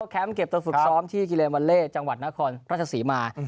แคมป์เก็บตัวฝึกซ้อมที่กิเลนวัลเล่จังหวัดนครราชศรีมา